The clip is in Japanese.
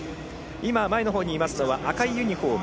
前のほうにいますのは赤いユニフォーム。